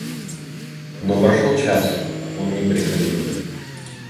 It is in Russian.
Но прошел час, он не приходил.